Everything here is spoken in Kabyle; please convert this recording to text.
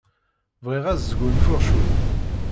Bɣiɣ ad sgunfuɣ cwiṭ.